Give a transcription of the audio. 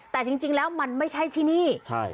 แต่จริงแล้วมันไม่ใช่ที่นี่ใช่